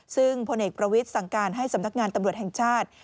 ซึ่งพลเอกประวิทย์สั่งการให้สำนักงานตำรวจแห่งชาติ